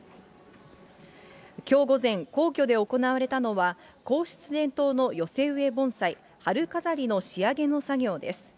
きょう午前、皇居で行われたのは、皇室伝統の寄せ植え盆栽、春飾りの仕上げの作業です。